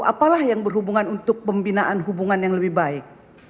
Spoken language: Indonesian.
apalah yang berhubungan untuk pembinaan hubungan yang lebih baik